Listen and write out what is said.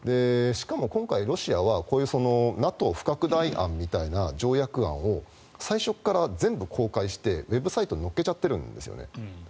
しかも今回、ロシアはこういうＮＡＴＯ不拡大案みたいな条約案を最初から全部公開してウェブサイトに載せているんですよね。